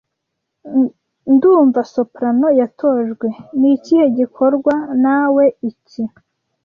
Ndumva soprano yatojwe (nikihe gikorwa na we iki?)